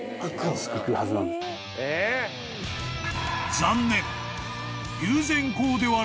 ［残念］